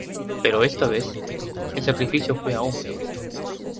Pero esta vez, el sacrificio fue aún peor.